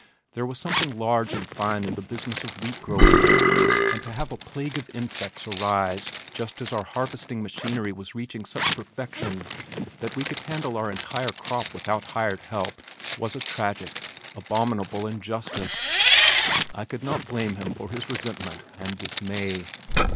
There was something large and fine in the business of wheat growing, and to have a plague of insects arise just as our harvesting machinery was reaching such perfection that we could handle our entire crop without hired help, was a tragic, abominable injustice. I could not blame him for his resentment and dismay.